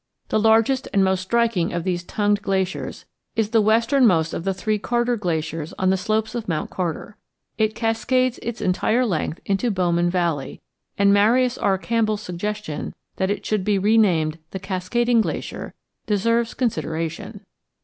The largest and most striking of these tongued glaciers is the westernmost of the three Carter Glaciers on the slopes of Mount Carter. It cascades its entire length into Bowman Valley, and Marius R. Campbell's suggestion that it should be renamed the Cascading Glacier deserves consideration.